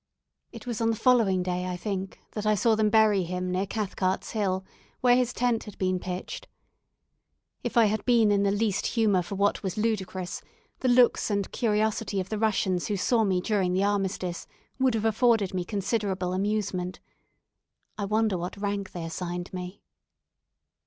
It was on the following day, I think, that I saw them bury him near Cathcart's Hill, where his tent had been pitched. If I had been in the least humour for what was ludicrous, the looks and curiosity of the Russians who saw me during the armistice would have afforded me considerable amusement. I wonder what rank they assigned me.